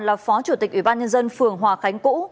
là phó chủ tịch ủy ban nhân dân phường hòa khánh cũ